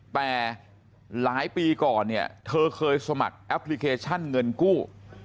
แต่หลายปีก่อนเนี่ยเธอเคยสมัครแอปพลิเคชันเงินกู้